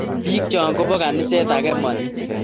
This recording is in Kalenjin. bik cho kobo kaniset ake ma ni